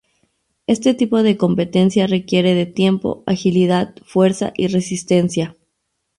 Este tipo de competencia requiere de tiempo, agilidad, fuerza y resistencia.